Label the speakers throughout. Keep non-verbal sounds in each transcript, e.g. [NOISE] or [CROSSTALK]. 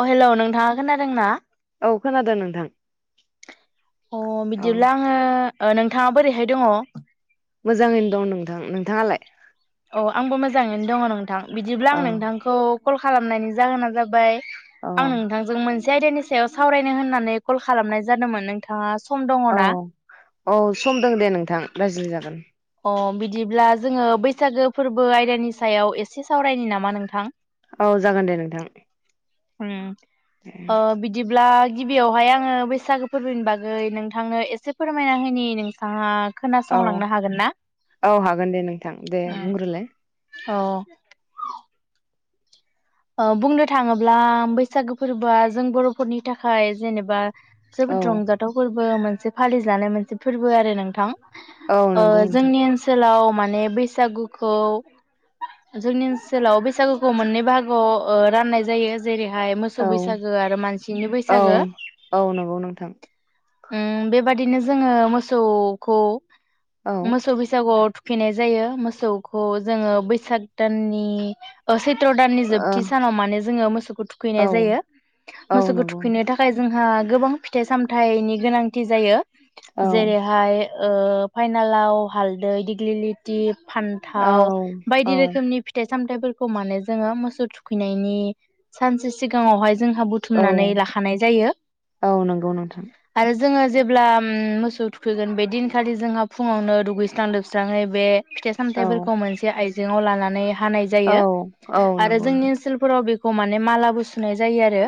Speaker 1: अ हेल' नोंथाङा खोनादों ना?
Speaker 2: औ खोनादों नोंथां
Speaker 1: अ
Speaker 2: औ
Speaker 1: बिदिब्ला आङो ओ नोंथाङा बोरैहाय दङ?
Speaker 2: मोजाङैनो दं नोंथां। नोंथाङालाय?
Speaker 1: अ आंबो मोजाङैनो दङर' नोंथां बिदिब्ला
Speaker 2: औ
Speaker 1: आं नोंथांखौ कल खालामनायनि जाहोना जाबाय
Speaker 2: औ
Speaker 1: आं नोंथांजों मोन से आयदानि सायाव सावरायनो होननानै कल खालामनाय जादोंमोन नोंथाङा सम
Speaker 2: औ
Speaker 1: दङना
Speaker 2: औ सम दों दे नोंथां रायज्लायजागोन।
Speaker 1: अ बिदिब्ला जोङो बैसागो फोरबो आयदानि सायाव एसे सावरायनि नामा नोंथां
Speaker 2: औ जागोन दे नोंथां।
Speaker 1: होम। ओ बिदिब्ला गिबियावहाय आङो बैसागो फोरबोनि बागै नोंथांनो एसे फोरमायना होनि नोंथाङा
Speaker 2: औ
Speaker 1: खोनासंलांनो हागोन ना?
Speaker 2: औ हागोन दे नोंथां दे बुंग्रोलाय
Speaker 1: अ ओ बुंनो थाङोब्ला बैसागो फोरबोआ जों बर'फोरनि थाखाय जेनेबा
Speaker 2: औ
Speaker 1: जोबोद रंजाथाव फोर बो मोनसे फालिजानाय मोनसे फोरबो आरो नोंथां।
Speaker 2: औ
Speaker 1: ओ
Speaker 2: नंगौ नोंथां
Speaker 1: जोंनि ओनसोलाव मान माने बैसागुखौ जोंनि ओनसोलाव बैसागुखौ मोननै बाहागो ओ राननाय जायो। जेरैहाय मोसौ
Speaker 2: औ
Speaker 1: बैसागो आरो मानसिनि
Speaker 2: औ
Speaker 1: बैसागो
Speaker 2: औ नंगौ नोंथां
Speaker 1: उम बेबादिनो जोङो मोसौखौ
Speaker 2: औ
Speaker 1: मोसौ बैसागआवथ फिनाय जायो मोसौखौ जोङो बैसाग दाननि अ सैथ्र दान
Speaker 2: ओ
Speaker 1: थि सानाव माने जोङो मोसौखौ
Speaker 2: औ
Speaker 1: थुखैनाय जायो
Speaker 2: औ
Speaker 1: मोसौखौ
Speaker 2: नंगौ
Speaker 1: थुखैनो
Speaker 2: नोंथां।
Speaker 1: थाखाय जोंहा गोबां फिथाइ सामथाइनि गोनांथि जायो।
Speaker 2: औ
Speaker 1: जेरैहाय ओ फाइनालाव हालदै दिग्लिलिटि
Speaker 2: औ
Speaker 1: फान्थाव
Speaker 2: औ
Speaker 1: बायदि रोखोमनि फिथाइ सामथाइफोरखौ माने जोङो मोसौ थुख थुखैनायनि सानसे सिगाङावहाय, जोंहा
Speaker 2: औ
Speaker 1: बुथुमनानै लाखानाय जायो
Speaker 2: औ नंगौ नोंथां
Speaker 1: आरो जोङो जेब्ला मोसौ थुखैगोन बे दिनखालि जोंहा फुङावनो दुगैस्रां लोबस्रांहै बे फिथाइ
Speaker 2: औ
Speaker 1: सामथाइफोरखौ मोनसे आइजेंआव लानानै हानाय
Speaker 2: औ
Speaker 1: जायो
Speaker 2: औ
Speaker 1: आरो
Speaker 2: नंगौ नोंथां
Speaker 1: जोंनि फोराव बेखौ माने मालाबो सुनाय जायो आरो।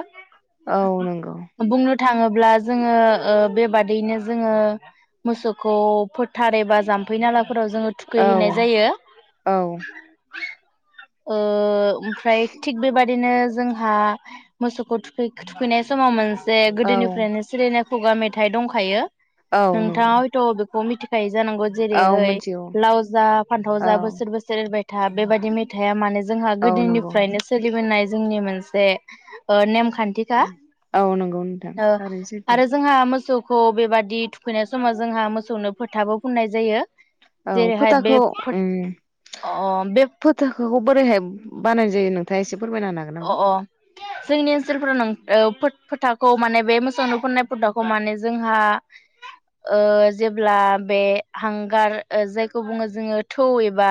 Speaker 2: औ नोंगौ।
Speaker 1: बुंनो थाङोब्ला जोङो ओ बेबादैनो जोङो मोसौखौ फोथार एबा जाम्फै नाला फोराव जोङो
Speaker 2: औ
Speaker 1: थुखैहैनाय जायो।
Speaker 2: औ
Speaker 1: ओ ओमफ्राय बेबादिनो जोंहा मोसौखौ थुखै थुखैनाय समाव मोनस जे गोदोनिफ्रायनो सोलिनाफ खुगा मेथाइ दंखायो।
Speaker 2: औ नंगौ
Speaker 1: नोंथाङा हयथ बेखौ मिथि जानांगौ
Speaker 2: औ
Speaker 1: जेरैहैय
Speaker 2: मिथिगौ
Speaker 1: लाव जा फान्थाव
Speaker 2: औ
Speaker 1: जा बोसोर बोसोर एरबाय था बेबायदि मेथाइया मानो जोंहा
Speaker 2: औ
Speaker 1: गोदोनि
Speaker 2: नंगौ
Speaker 1: फ्रायनो सोलिबोनाय जोंनि मोन से ओ नेमखान खान्थिखा
Speaker 2: औ नंगौ नोंथां
Speaker 1: ओ
Speaker 2: थारैनो सैथो
Speaker 1: आरो जोंहा मोसौ खौ बेबादि थुखैनाय समाव जोंहा मोसौनो फोथाबो फुननाय जायो।
Speaker 2: औ
Speaker 1: जेरैहाय बे
Speaker 2: फोथाखौ
Speaker 1: फोथ अ बे
Speaker 2: फोथाखौ बोरैहाय बानाय जायो नोंथाङा एसे फोरमायना होनो हागोन
Speaker 1: अ
Speaker 2: नामा?
Speaker 1: अ जोंनि ओनसोलफोराव नों औ फोथ फोथाखौ माने बे मोसौनो फुननाय फोथाखौ माने जोंहा ओ जेब्ला बे हांगार जायखौ खौ बुंङो जोङो थौ एबा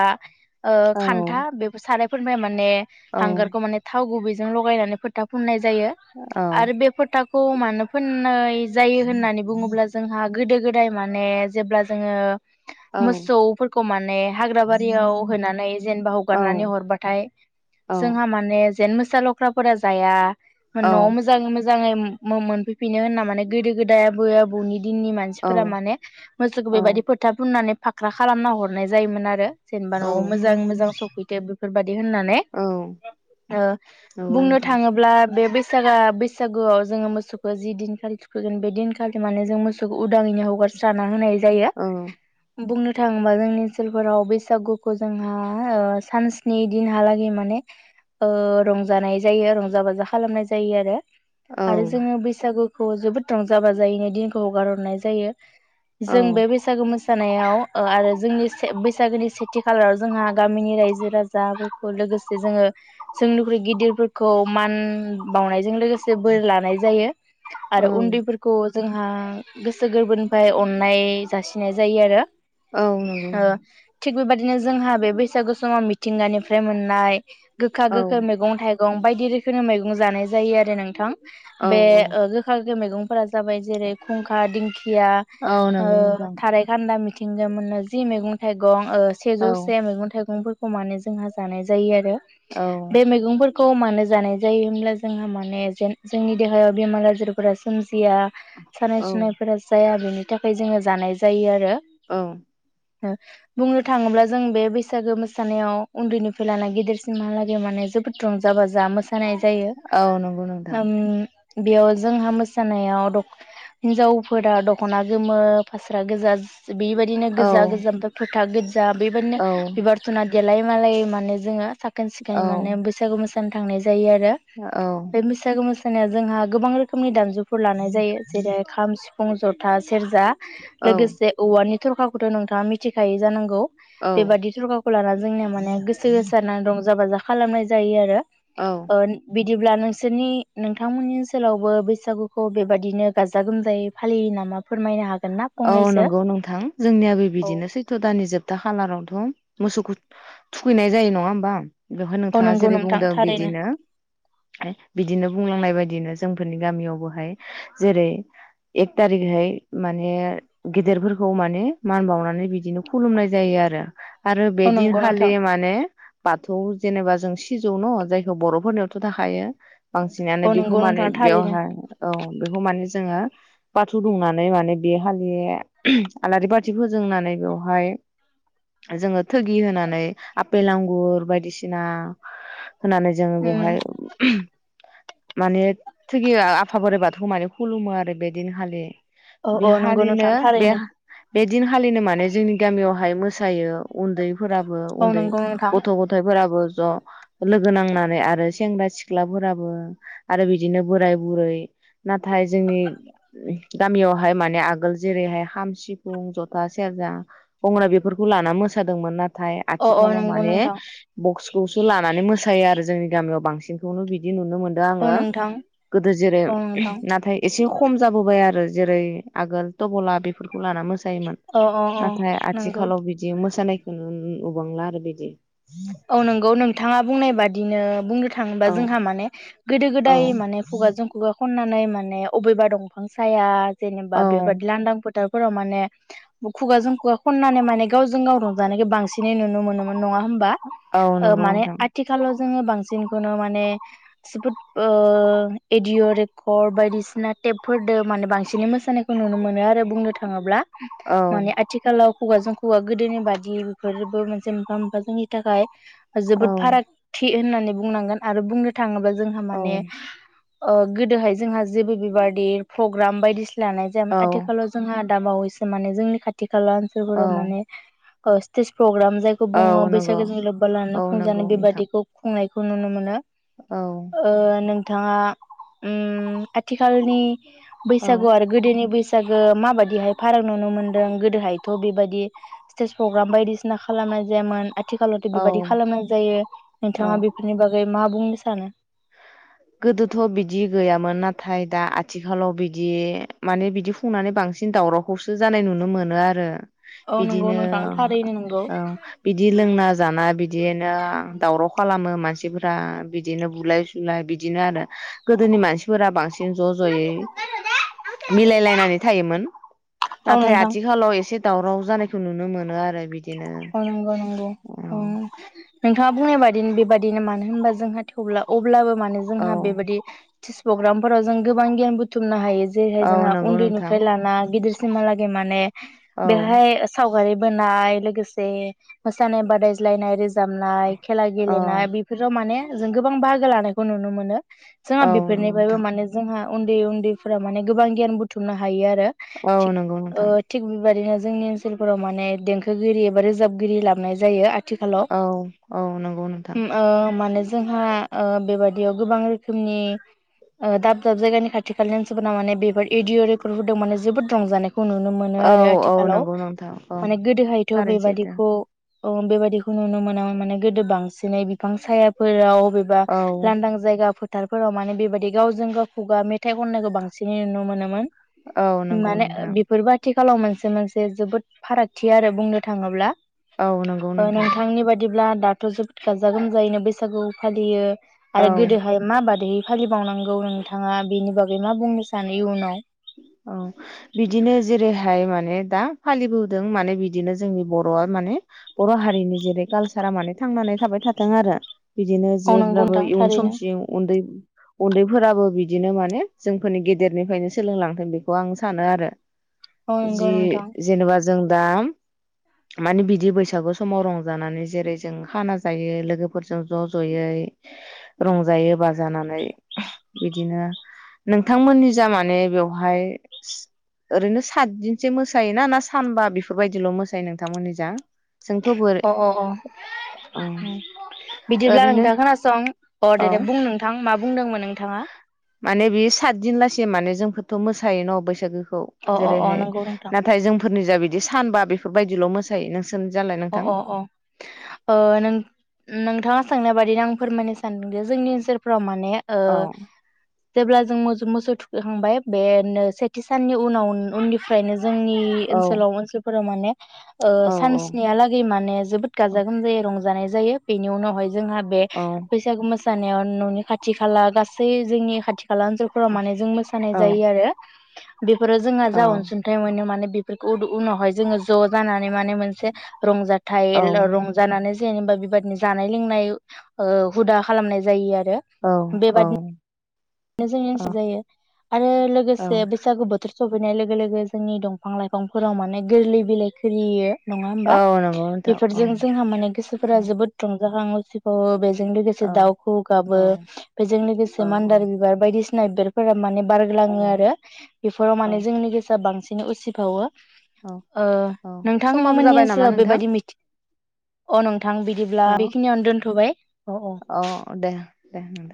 Speaker 1: ओ
Speaker 2: औ
Speaker 1: खान्था बेफोर साराय फोरमाय माने
Speaker 2: औ
Speaker 1: हांगारखौ माने थाव गुबैजों लगायनानै फोथा फुननाय जायो
Speaker 2: औ
Speaker 1: आरो बे फोथाखौ औ मानो फोननाय जायो होननानै बुङोब्ला जोंहा गोदो गोदाय माने जेब्ला जोंङो
Speaker 2: औ
Speaker 1: मोसौफोरखौ माने हाग्रा बारियाव होनानै जेनेबा
Speaker 2: औ
Speaker 1: हगारनानै हरबाथाय
Speaker 2: औ
Speaker 1: जोंहा माने जेन मोसा लख्राफोरा जाया। न'आव मोजांयै मोजां मोजांङै मो-मोनफैफिनो होनना माने गोदो गोदाय आबै आबौनि दिननि मानसिफोरा
Speaker 2: औ
Speaker 1: माने मोसौखौ
Speaker 2: औ
Speaker 1: बेबायदि फोथा फुननानै फाख्रा खालामना हरनाय जायोमोन आरो। जेनेबा न'आव मोजां मोजां सफैथो बेफोरबायदि होननानै ओ बुंनो थांङोब्ला बे बेसे सागा बैसागोआव जोंङो मोसौखौ जि दिनखालि थुखैगोन बे दिनखालि माने जों मोसौखौ उदांङैनो हगारस्राना होनाय जायो बुंनो थाङोबा जोंनि ओनसोलफोराव बैसागुखौ जोंहा ओ सानस्नि दिनहालागै माने ओ रंजानाय जायो रंजा बाजा खालामनाय जायो आरो। आरो जोङो बैसागु खौ जोबोद रंजा बाजायैनो दिनखौ हगारहरनाय जायो। जों बे बैसागु मोसा नायाव ओ आरो जोंनि बैसागोनि सेथि खालाराव जोंहा गामिनि रायजो राजाफोरखौ लोगोसे जोङो जोंनिख्रुइ गिदिरफोरखौ मान बावनायजों लोगोसे बोर लानाय जायो। आरो
Speaker 2: औ
Speaker 1: उन्दैफोरखौ। जोंहा गोसो गोरबोनिफ्राय अननाय जासिनाय जायो आरो
Speaker 2: औ नंगौ
Speaker 1: ओ
Speaker 2: नोंथां
Speaker 1: थिख बेबायदिनो जोंहा बे बैसागु समाव मि थिंगानिफ्राय मोननाय गोखा
Speaker 2: औ
Speaker 1: गो फोर मैगं थाइं मैगं बायदि रोखोमनि मैगं जानाय जायो आरो नोंथां
Speaker 2: औ
Speaker 1: बे ओ मैगंफोरा जाबाय जेरै खुंखा दिंख खिया
Speaker 2: औ औ
Speaker 1: ओ
Speaker 2: नंगौ नोंथां
Speaker 1: थारायखान्दा मिथ थिंगा मोना जि मैगं थाइगं ओ
Speaker 2: औ
Speaker 1: सेजौ से मैगं थाइगं फोर खौ मानेज जोंहा जानाय जायो आरो
Speaker 2: औ औ
Speaker 1: गंफोरखौ मानो जानाय जायोब्ला जोंहा माने जोंनि देहायाव बेमार आजारफोरा जिया सानाय सुनायफोरा जाया बेनि थाखाय जोङो जानाय जायो आरो
Speaker 2: ओं
Speaker 1: ओ बुंनो थाङोब्ला जों बे बैसागो मोसानायाव उन्दैनिफ्राय लाना गेदेरसिमहालागै जे माने जबोद रं जा बा जा मोसा जानाय जायो
Speaker 2: औ नंगौ नोंथां
Speaker 1: ओम बेयाव जोंहा मोसानायाव दख हिनजावफोरा दखना गोमो फास्रा गोजा बेबायदिनो
Speaker 2: औ
Speaker 1: गोजा गोजानथ थागोद जा
Speaker 2: औ
Speaker 1: बेबायदिनो देलाय मालाय माने जोंङो साखोन जाय
Speaker 2: औ
Speaker 1: माने बैसागु मो जानो थांनायज जायो आरो
Speaker 2: औ
Speaker 1: बे बैसागो मोस [UNINTELLIGIBLE] जोंहा गोबां रोखोमनि दामजु फोर लानाय जायो जेरै खाम सिफ फुं जथा सेरजा
Speaker 2: औ
Speaker 1: लोगोसे औवानि थरखाखौथ नोंथाङा मिथिखायो जानांगौ।
Speaker 2: औ
Speaker 1: बेबादि थरखाखौ लाना जोंनिया माने गोसो होसार रं जा बाजा खालामनाय जायो आरो
Speaker 2: औ
Speaker 1: ओ बि बिदिब्ला नोंसोरनि नोंथांमोननि ओनसोलावबो बैसागुखौ बेबादिनो गाजा गोमजायै फालियो नामा फोरमायनो हाग
Speaker 2: औ नंगौ नोंथां जोंनियाबो
Speaker 1: औ
Speaker 2: बिदिनो सैथ' दाननि जोब था खालारावथ मोसौखौ थुखैनाय जायो नङा होमबा। बेवहाय
Speaker 1: औ
Speaker 2: नोंथांआ
Speaker 1: नंगौ
Speaker 2: जेरै
Speaker 1: नोंथां
Speaker 2: बुंदों
Speaker 1: थारैनो
Speaker 2: बिदिनो बिदिनो बुंलांनाय बादिनो जोंफोरनि गामियावबोहाय जेरै एक थारिखहाय माने बे गेदेरफोरखौ माने मान बावनानै बिदिनो खुलुमनाय जायो आरो। आरो
Speaker 1: औ
Speaker 2: बेदिन
Speaker 1: नंगौ
Speaker 2: खालि
Speaker 1: नोंथां
Speaker 2: माने थ जेनेबा जों सिजौ न जायखौ बर'फोरनियावथ थाखायो। बांसिनानो
Speaker 1: औ
Speaker 2: बेखौ
Speaker 1: नंगौ
Speaker 2: माने
Speaker 1: नोंथां थारैनो
Speaker 2: बेवहाय औ बेखौ माने जोङो बाथौ दुमनानै माने बे हालि आलारि बाथि फोजोंनानै बेवहाय जोङो थोगि होनानै आफेल आंगुर बायदिसिना होनानै जोङो
Speaker 1: उम
Speaker 2: बेवहाय माने थोगि आफा बोराइ बाथौ माने खुलुमो आरो बेदिनखालि‌।
Speaker 1: औ
Speaker 2: बे
Speaker 1: औ नंगौ
Speaker 2: खालिनो
Speaker 1: नोंथां थारैनो
Speaker 2: बे दिन खालिनो माने जोंनि गामियाव बाहाय मोसायो। उन्दैफोराबो
Speaker 1: औ
Speaker 2: उन्दै
Speaker 1: नंगौ नोंथां
Speaker 2: गथ' गथाइफोराबो ज लोगो नांनानै आरो सेंग्रा सिख्लाफोराबो आरो बिदिनो बोराय बुरै नाथाय जोंनि गामियाव बेहाय माने आगोल जेरैहाय खाम सिफुं जथा सेरजा गंगोना बेफोरखौ लाना मोसादोंमोन नाथाय थाय
Speaker 1: अ अ
Speaker 2: आथिखालाव
Speaker 1: नंगौ
Speaker 2: माने
Speaker 1: नोंथां
Speaker 2: बक्सखौसो लानानै मोसायो आरो जोंनि गामियाव बां सिंखौनो बिदि नु नुनो मोनदों
Speaker 1: औ
Speaker 2: आङो
Speaker 1: नोंथां
Speaker 2: गोदो जेरै
Speaker 1: औ नोंथां
Speaker 2: नाथाय एसे खम जाबोबाय आरो। जेरै आगोलथबला बेफोर लाना मोसायोमोन
Speaker 1: औ औ औ
Speaker 2: नाथाय
Speaker 1: नंगौ
Speaker 2: आथिखालाव बिदि मोसानायखौ नु नुबांला आरो बिदि।
Speaker 1: औ नंगौ नोंथाङा बुंनाय बादिनो बुंनो थाङोबा
Speaker 2: औ
Speaker 1: जोंहा माने गोदो
Speaker 2: औ
Speaker 1: गोदाय माने खुगाजों खुगा खननानै म माने अबेबा दंफां साया जेनोनि
Speaker 2: औ
Speaker 1: बेबादिफ लांदां फोथार राव माने खुगाजों खुगा खननानै माने गावजों गाव रंजानायखौ बांसिनै नुनो मोनोमोन नङा होन
Speaker 2: औ
Speaker 1: ओ
Speaker 2: नंगौ
Speaker 1: माने
Speaker 2: नोंथां
Speaker 1: आथिखाल जोङो बांसिनखौनो माने जोबोद ओ एडिअ' रेकर्ड बायदिसिना टेपफोरदो माने बांसिनै मोसानायखौ नुनो मो ओमफाय आरो बुंनो थाङोब्ला
Speaker 2: औ
Speaker 1: माने आथिखालाव हौवाजों हौवा गोदोनि बादि बेफोरबो मोनसे मोनफा मोनफा जोंनि थाखाय
Speaker 2: औ
Speaker 1: जोबोद फाराग थि। होननानै बुंनांगोन आरो बुंनो थाखाय। थाङोबा जोंहा
Speaker 2: औ
Speaker 1: माने। ओ गोदोहाय जोंहा जेबो बेबादि प्रग्राम बायदिसि लानाय जायामोन
Speaker 2: औ
Speaker 1: आथिखालाव जोंहा दाबावैसो माने जोंनि खाथ खाथि खाला
Speaker 2: औ
Speaker 1: ओनसोलफोराव माने ओ [UNINTELLIGIBLE] प्रग्राम जायखौ
Speaker 2: औ
Speaker 1: बुङो बैस
Speaker 2: नंगौ
Speaker 1: लोगोजों लोब्बा लानो
Speaker 2: औ
Speaker 1: खुंजानाय
Speaker 2: नंगौ नोंथां
Speaker 1: बेबादिखौ खुंनाय खौ नुनो मोनो।
Speaker 2: औ
Speaker 1: ओ नों नोंथाङा उम आथिखालनि
Speaker 2: औ
Speaker 1: बैसागु आरो गोदोनि बैसा [UNINTELLIGIBLE] माबाददिहाय फाराग नुनो मोन्दों गोदोहायथ बेबायाददि स्टेज प्रग्राम बायदिसिना खालामनाय जायामोन आरो आथिखालावथ
Speaker 2: औ
Speaker 1: बेबायदि खालामनांगौ जायो
Speaker 2: औ
Speaker 1: नोंथाङा बेफोरनि बागै मा बुंनो सानो।
Speaker 2: गोदोथ बिदि गैयामोन नाथाय दा आथिखालाव बिदि माने बिदि खुंनानै बांसिन दावरावखौसो जानाय नुनो मोनो आरो।
Speaker 1: औ नंगौ
Speaker 2: बिदिनो
Speaker 1: नोंथां थारैनो नंगौ।
Speaker 2: औ बिदि लोंना जाना बिदि। बिदिनो दावराव खालामो मानसिफोरा बिदिनो बुलाय सुलाय बिद बिदिनो आरो गोदोनि मानसिफोरा बांसिन ज जयै मिलायलायनानै थायोमोन
Speaker 1: औ
Speaker 2: नाथाय
Speaker 1: नोंथां
Speaker 2: आथिखालाव एसे दावराव जानायखौ नुनो मोनो आरो बिदि
Speaker 1: औ नंगौ नंगौ नोंथाङा बुंनाय बादि बे बादिनो मानो होनबा जोंहा थेवब्ला अब्लाबो। मानो
Speaker 2: औ
Speaker 1: जोंहा बेबायदि थोस प्रग्रामफोराव जों गोबां गियान बुथुमनो हायो। जेरैहाय
Speaker 2: औ
Speaker 1: जोंहा
Speaker 2: नंगौ नोंथां
Speaker 1: उन्दैनिफ्राय लाना गिदिर। सिमा लागे माने
Speaker 2: औ
Speaker 1: बेहाय साव बै बोननाय लोगोस जे मोसानाय बादाज्लायनाय रो जाबनाय खेला
Speaker 2: औ
Speaker 1: गेलेनाय बेफोराव माने जों गोबां बाहागो लानायखौ नुनो मोनो। जोंहा
Speaker 2: औ नंगौ
Speaker 1: बिफोरनिफ्रायबो
Speaker 2: नोंथां
Speaker 1: माने जोंहा उन्दै उन्दैफोरा माने गोबां गियान बुथुमनो हायो आरो
Speaker 2: औ नंगौ
Speaker 1: ओ
Speaker 2: नोंथां
Speaker 1: थिक बेबायदिनो जोंनि ओनसोलफोराव माने देंखो गिरि रोजाबगिरि लाबोनाय जायो आरो आथिखालाव
Speaker 2: औ औ नंगौ नोंथां
Speaker 1: उम ओ माने जोंङो जोंहा ओ बेबायदियाव गोबां रोखोमनि ओ दाब दाब जायगानि खाथि खालानि मानसिफोरा माने बेफोर अडिअ' रेकर्डफोरदों माने जोबोद रंजानाय नुनो मोनो
Speaker 2: औ
Speaker 1: आरो
Speaker 2: औ
Speaker 1: आथिखालाव
Speaker 2: नंगौ नोंथां औ
Speaker 1: माने गोदोहाय
Speaker 2: थारैनो सैथो
Speaker 1: बेबायदिखो अ बेबायदिखै नुनो मोना मोन माने गोदो बांसिनै बिफां सायाफोराव अबेबा
Speaker 2: औ
Speaker 1: लांदां जायगा फो फोथारफोराव माने बेबायदि गाव जों गाव खुगा मेथाइ खननायखौ बांसिनै नुनो मोनोमोन,
Speaker 2: औ नंगौ
Speaker 1: माने ओ
Speaker 2: नोंथां
Speaker 1: बेफोरबादि खालाव मोनसे मोनसे जोबोद फारागथि आरो बुंनो थांङोब्ला
Speaker 2: औ नोंगौ नोंथां।
Speaker 1: बिदिब्ला दाथ' जोब गाजा गोमजायैनो बैसागु फालियो आरो
Speaker 2: औ
Speaker 1: गोदोहाय मा बादि फालिबानांगौ नोंथांङा बेनि बागै मा बुंनो सानो इयुनाव
Speaker 2: औ बिदिनो जेरैहाय माने दा फालिबोदों माने बिदिनो जोंनि बर'आ माने बर' हारिनि जेरै कालसारा माने थांनानै थाबाय थाथों आरो बिदिनो
Speaker 1: औ नंगौ
Speaker 2: जेब्लाबो
Speaker 1: नोंथां
Speaker 2: इयुन
Speaker 1: थारैनो
Speaker 2: समसिम उन्दै उन्दैफोराबो बिदिनो माने जोंफोरनि गेदेरनिफ्रायनो। सोलोंलांथों बेखौ आं सानो आरो।
Speaker 1: औ
Speaker 2: जि
Speaker 1: नंगौ नोंथां
Speaker 2: जेनोबा जों दा माने बिदि बैसागु समाव रंजानानै जेरै जों खाना जायो लोगोफोरजों ज जयै रंजायै बाजानानै बिदिनो नोंथांमोननि जा माने बेवहाय ओरैनो सातदिनसो मोसायोना ना सानबा बेफोरबायदिल मोसायो नोंथांमोननिजों?
Speaker 1: अ अ अ उम
Speaker 2: औ
Speaker 1: बिदिब्ला
Speaker 2: ओरैनो
Speaker 1: नोंथां खोनासं अ
Speaker 2: औ
Speaker 1: दे दे बुं नोंथां माब बुंदोंमोन नोंथाङा
Speaker 2: माने बे साद दिन लासे माने जोंफोरथ' मोसायो न' बैसागोखो,
Speaker 1: अ
Speaker 2: ओ
Speaker 1: अ अ
Speaker 2: जेरैहाय
Speaker 1: नंगौ नोंथां
Speaker 2: नाथाय जोंफोरनि जाबिद बिदि सानबा बेफोरबायदिल मोसायो नों
Speaker 1: अ -अ- अ, ओ नों-नोंथांङा सोंनाय बादिनो आं फोरमायनो सानदों दि जोंनि ओनसोलफ्राव मा माने ओ
Speaker 2: औ
Speaker 1: जेब्ला जों मोजौ मोसौ थुखै खांबाय बेनो सेथि साननि उनाव उननिफ्रायनो जोंनि
Speaker 2: औ
Speaker 1: ओनसोलाव ओनसोलफोर राव माने ओ
Speaker 2: औ
Speaker 1: सानस नियालागै माने जोबोद
Speaker 2: औ
Speaker 1: गाजा गोमजायै रंजानायज जायो बेनि उनावाय जोंहा बे
Speaker 2: औ
Speaker 1: बैसागु मो जानायाव न'नि खाथि खाला गासै जोंनि खाथि खा साला ओनसोलफोराव माने जों
Speaker 2: औ
Speaker 1: मोसानाय जायो आरो बेफोराव जोंहा
Speaker 2: औ
Speaker 1: जा अनसुंथाइ मोनो माने बेफोरखौ उनावहाय जोङो ज जानानै माने मोन रंजाथाइ
Speaker 2: औ
Speaker 1: ल रंजानानै जेनेबा बिबादनि जानाय लोंनाय ओ हुदा खालामनाय जायो आरो
Speaker 2: औ औ
Speaker 1: बेनो जोंनिसि जायो आरो
Speaker 2: औ
Speaker 1: लोगोसे बैसागु बोथोर सफैनाय लोगो लोगो जोंनि दंफां लाइफांफोराव माने गोरलै बिलाइ खोरियो नङा ओमबा
Speaker 2: औ नंगौ नोंथां
Speaker 1: बेफोरजों
Speaker 2: ओं
Speaker 1: जोंहा माने गोसोफोरा
Speaker 2: औ
Speaker 1: जोबोद रं [UNINTELLIGIBLE] बेजों लोगोसे दाउखौ गाबो
Speaker 2: औ
Speaker 1: बेजों लोगोसे
Speaker 2: औ
Speaker 1: मान्दार
Speaker 2: औ
Speaker 1: बि दिसिना बिबारफोराब माने
Speaker 2: औ
Speaker 1: बारग्लाङो आरो बेफोराव
Speaker 2: औ
Speaker 1: माने जोंनि गोसोआ बांसिन बिदिनो उसि फावो
Speaker 2: औ
Speaker 1: ओ
Speaker 2: औ
Speaker 1: नोंथां
Speaker 2: समाबो
Speaker 1: मोननि
Speaker 2: जाबाय नामा
Speaker 1: ओनसोलाव
Speaker 2: नोंथां
Speaker 1: बेबायदि मिथिं अ नोंथां बिदिब्ला
Speaker 2: औ
Speaker 1: बेखिनियावनो दोनथबाय अ अ।
Speaker 2: औ दे दे नोंथां।